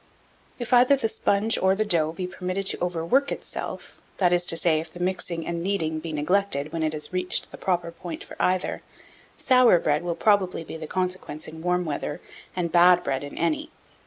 1697. If either the sponge or the dough be permitted to overwork itself, that is to say, if the mixing and kneading be neglected when it has reached the proper point for either, sour bread will probably be the consequence in warm weather, and bad bread in any.